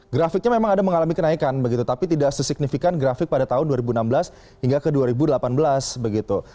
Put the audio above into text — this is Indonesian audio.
grafiknya memang ada mengalami kenaikan begitu tapi tidak sesignifikan grafik pada tahun dua ribu enam belas hingga ke dua ribu delapan belas begitu